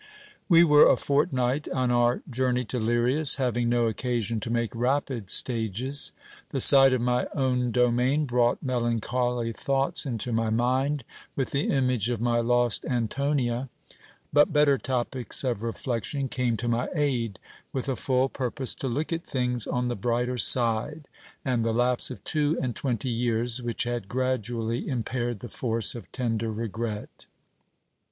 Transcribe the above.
We were a fortnight on our journey to Lirias, having no occasion to make rapid stages. The sight of my own domain brought melancholy thoughts into my mind, with the image of my lost Antonia ; but better topics of reflection came to my aid, with a full purpose to look at things on the brighter side, and the lapse of two and twenty years, which had gradually impaired the force of tender regret.